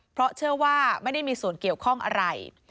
เพราะเชื่อว่าไม่ได้มีส่วนเกี่ยวข้องอะไร